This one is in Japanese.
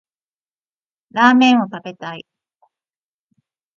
ラーメンを食べたい